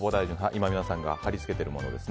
今皆さんが貼り付けてるものです。